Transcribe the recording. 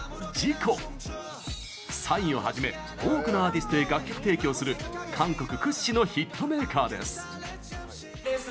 ＰＳＹをはじめ多くのアーティストへ楽曲提供する韓国屈指のヒットメーカーです。